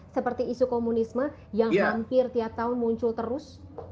seperti isu komunisme yang hampir tiap tahun muncul terus